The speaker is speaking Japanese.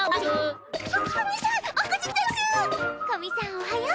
おはよう！